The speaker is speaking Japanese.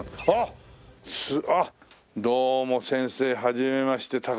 どうも先生はじめまして。